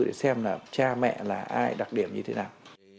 để xem là cha mẹ là ai đặc điểm như thế nào